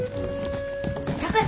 貴司